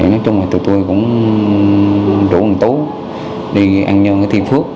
nói chung là tụi tôi cũng đủ một tối đi an nhân với tuy phước